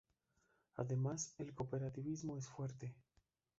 Además el cooperativismo es fuerte.